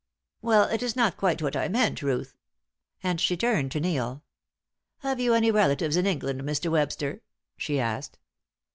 "Well, it is not quite what I meant, Ruth." And she turned to Neil. "Have you any relatives in England. Mr. Webster?" she asked.